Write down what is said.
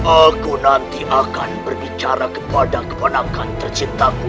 aku nanti akan berbicara kepada keponakan tercintaku